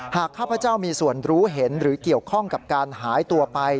ข้าพเจ้ามีส่วนรู้เห็นหรือเกี่ยวข้องกับการหายตัวไป